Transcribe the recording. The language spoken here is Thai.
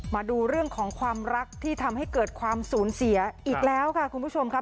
มาดูเรื่องของความรักที่ทำให้เกิดความสูญเสียอีกแล้วค่ะคุณผู้ชมครับ